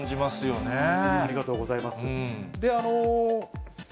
ありがとうございます。